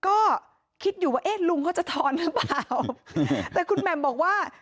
ก็คิดอยู่ว่าเอ๊ะลุงเขาจะทอนหรือเปล่าแต่คุณแหม่มบอกว่า